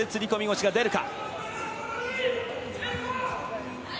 腰が出るか。